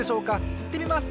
いってみます！